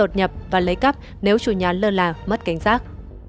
đột nhập và lấy cắp nếu chủ nhà lơ là mất cảnh giác